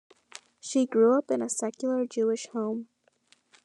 She grew up in a secular Jewish home.